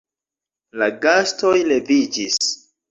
La gastoj leviĝis.